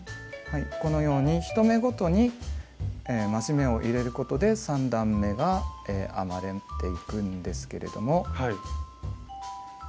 このように１目ごとに増し目を入れることで３段めが編まれていくんですけれども。